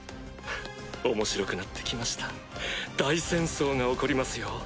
面白くなって来ました大戦争が起こりますよ。